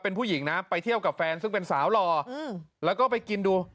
เป็นผู้หญิงนะไปเที่ยวกับแฟนซึ่งเป็นสาวหล่อแล้วก็ไปกินดู